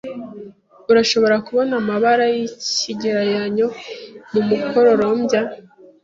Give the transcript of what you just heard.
Urashobora kubona amabara yikigereranyo mu mukororombya.